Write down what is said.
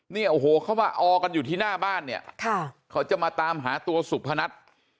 เนี่ยโอ้โหเขามาออกันอยู่ที่หน้าบ้านเนี่ยเขาจะมาตามหาตัวสุพนัท